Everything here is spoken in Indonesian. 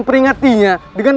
sehingga sampai kembali